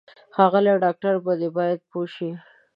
ښاغلی ډاکټره په دې باید پوه شې.